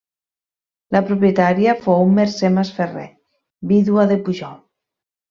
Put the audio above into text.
La propietària fou Mercè Masferrer, vídua de Pujol.